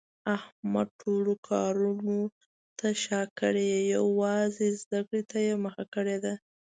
احمد ټولو کارونو ته شاکړې یووازې زده کړې ته یې مخه کړې ده.